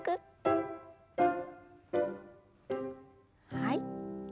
はい。